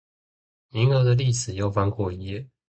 銀河的歷史又翻過一夜